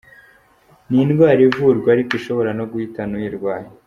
Ni indwara ivurwa ariko ishobora no guhitana uyirwaye.